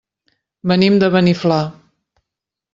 Venim de Beniflà.